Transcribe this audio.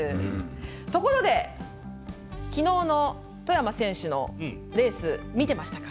ところで、きのうの外山選手のレース見ていましたか？